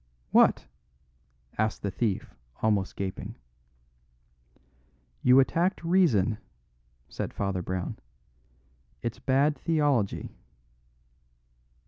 "What?" asked the thief, almost gaping. "You attacked reason," said Father Brown. "It's bad theology."